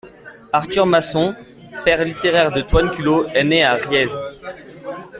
Arthur Masson, père littéraire de Toine Culot est né à Rièzes.